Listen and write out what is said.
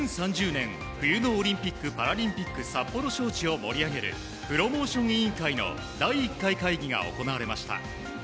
２０３０年、冬のオリンピック・パラリンピック札幌招致を盛り上げるプロモーション委員会の第１回会議が行われました。